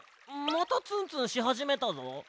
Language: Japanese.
またツンツンしはじめたぞ。